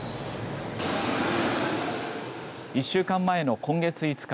１週間前の今月５日。